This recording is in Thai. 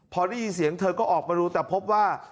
พอได้ยินเสียงเธอก็ออกมาดูแต่พบว่า